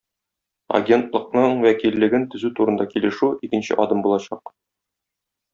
Агентлыкның вәкиллеген төзү турында килешү - икенче адым булачак.